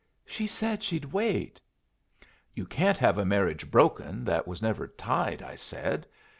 "She said she'd wait." "You can't have a marriage broken that was never tied," I said.